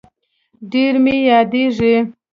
ډير مي ياديږي